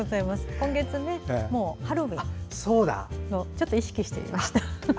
今月、もうハロウィーンなのでちょっと意識してみました。